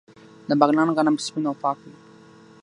د بغلان غنم سپین او پاک وي.